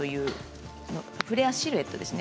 フレアシルエットですね。